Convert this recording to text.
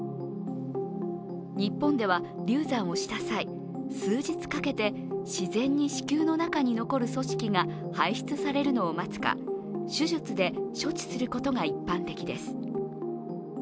日本では流産をした際、数日かけて子宮の中に残る組織が排出されるのを待つか、手術で処置することが一般的です。